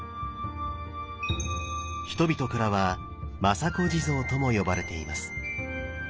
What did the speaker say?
人々からは「政子地蔵」とも呼ばれています。